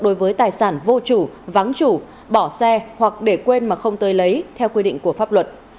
đối với tài sản vô chủ vắng chủ bỏ xe hoặc để quên mà không tới lấy theo quy định của pháp luật